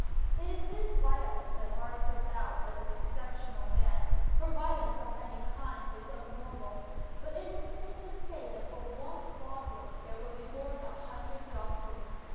It is this violence that marks him out as an exceptional man, for violence of any kind is abnormal, but it is safe to say that for one Boswell there will be born a hundred Johnsons.